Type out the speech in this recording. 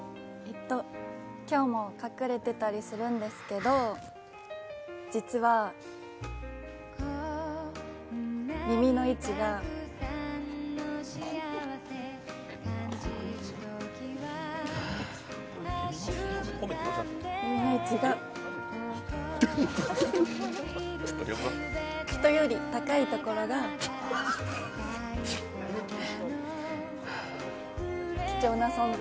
今日も隠れてたりするんですけど実は耳の位置が耳の位置が人より高いところが貴重な存在。